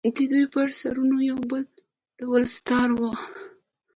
د دوى پر سرونو يو بل ډول دستار و.